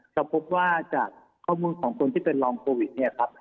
จะพบว่าจากข้อมูลของคนที่เป็นรองโควิดเนี่ยครับ